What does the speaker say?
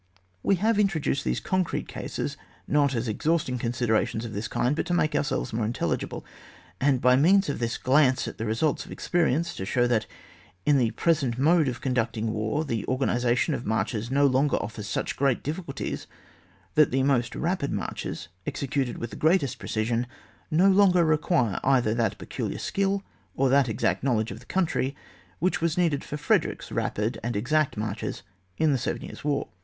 "We have introduced these concrete cases, not as exhausting considerations of this kind, but to « make ourselves more intelligible, and by means of this glance at the results of experience to show that in the present mode of conducting war the organisation of marches no longer offers such great difficulties; that the most rapid marches, executed with the greatest precision, no longer require either that peculiar skill or that exact knowledge of the country which was needed for Frederick's rapid and exact marches in the Seven Years' War.